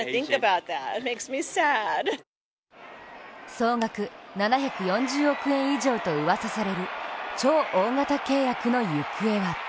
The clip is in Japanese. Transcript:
総額７４０億円以上とうわさされる超大型契約の行方は。